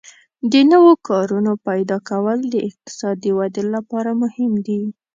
د نوو کارونو پیدا کول د اقتصادي ودې لپاره مهم دي.